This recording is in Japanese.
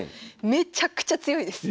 めちゃくちゃ強いです。